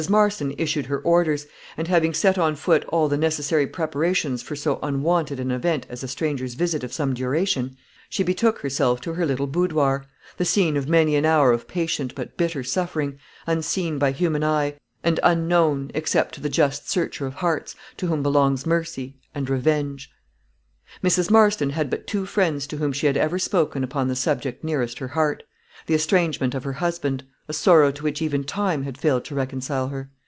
Marston issued her orders; and having set on foot all the necessary preparations for so unwonted an event as a stranger's visit of some duration, she betook herself to her little boudoir the scene of many an hour of patient but bitter suffering, unseen by human eye, and unknown, except to the just Searcher of hearts, to whom belongs mercy and vengeance. Mrs. Marston had but two friends to whom she had ever spoken upon the subject nearest her heart the estrangement of her husband, a sorrow to which even time had failed to reconcile her.